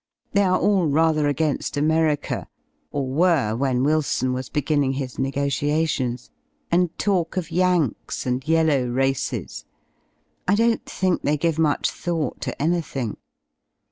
They are all rather again^ America, or were when Wilson was beginning his negotiations, and talk of Yanks and yellow races. I don't think they give much thought to anything.